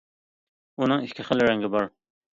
ئۇنىڭ ئىككى خىل رەڭگى بار.